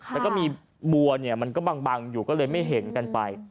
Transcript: แล้วก็มีบัวเนี่ยมันก็บังอยู่ก็เลยไม่เห็นกันไป